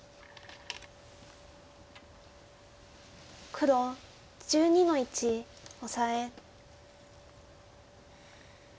黒１２の一オサエ。